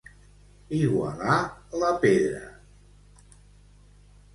Igualar la pedra.